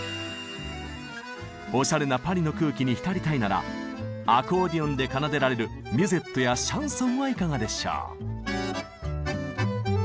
おしゃれなパリの空気に浸りたいならアコーディオンで奏でられるミュゼットやシャンソンはいかがでしょう。